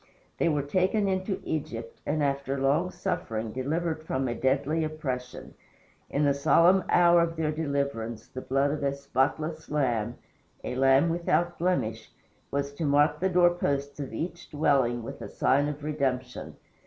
They were taken into Egypt, and, after long suffering, delivered from a deadly oppression. In the solemn hour of their deliverance the blood of a spotless lamb "a lamb without blemish" was to mark the door posts of each dwelling with a sign of redemption.